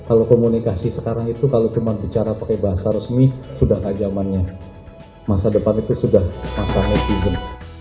kalau komunikasi sekarang itu kalau cuma bicara pakai bahasa resmi sudah gak zamannya masa depan itu sudah masa netizen